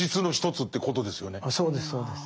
そうですそうです。